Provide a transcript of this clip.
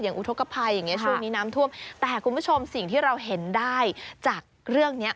อย่างอุทกภัยช่วงนี้น้ำท่วมแต่คุณผู้ชมสิ่งที่เราเห็นได้จากเรื่องนี้